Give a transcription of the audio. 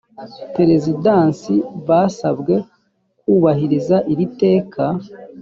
perezidansi basabwe kubahiriza iri teka